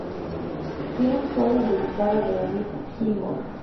Tiene un solo de guitarra de David Gilmour.